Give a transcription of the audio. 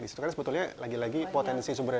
disitu kan sebetulnya lagi lagi potensi sumber daya